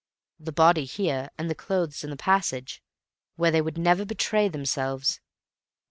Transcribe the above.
The body here, and the clothes in the passage, where they would never betray themselves.